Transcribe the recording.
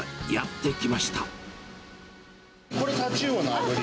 これ、タチウオのあぶり。